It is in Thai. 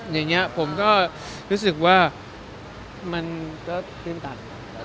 อย่างนี้ผมก็รู้สึกว่ามันก็ตื่นตัน